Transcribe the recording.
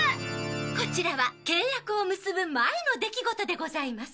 こちらは契約を結ぶ前の出来事でございます。